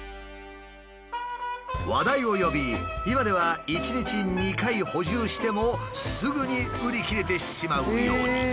話題を呼び今では１日２回補充してもすぐに売り切れてしまうように。